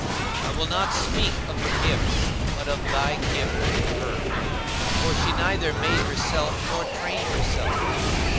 I will not speak of her gifts, but of thy gift in her; for she neither made herself nor trained herself.